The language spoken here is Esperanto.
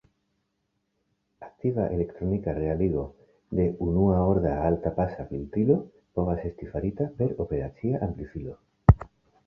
Aktiva elektronika realigo de unua-orda alta-pasa filtrilo povas esti farita per operacia amplifilo.